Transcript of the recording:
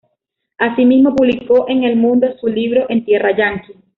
Asimismo, publicó en "El Mundo" su libro "En Tierra Yankee".